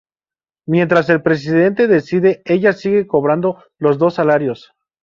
Mientras el presidente decide, ella sigue cobrando los dos salarios.